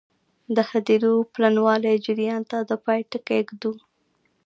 د هدیرو د پلنوالي جریان ته د پای ټکی ږدو.